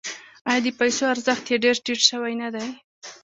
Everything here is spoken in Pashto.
آیا د پیسو ارزښت یې ډیر ټیټ شوی نه دی؟